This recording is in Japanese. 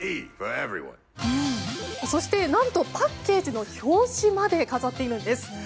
そして、何とパッケージの表紙まで飾っているんです。